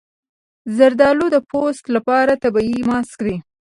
زردالو د پوست لپاره طبیعي ماسک دی.